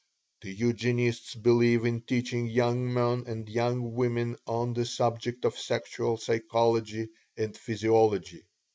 The Eugenists believe in teaching young men and young women on the subject of sexual physiology and psychology.